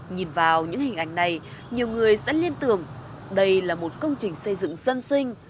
nhìn vào những hình ảnh này nhiều người sẽ liên tưởng đây là một công trình xây dựng dân sinh